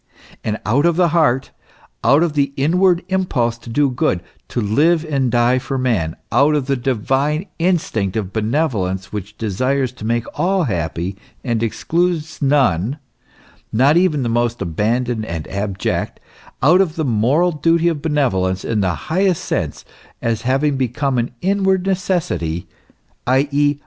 And out of the heart, out of the inward impulse to do good, to live and die for man, out of the divine instinct of benevolence which desires* to make all happy, and excludes none, not even the most abandoned and abject, out of the moral duty of benevolence in the highest sense, as having become an inward necessity, i.e.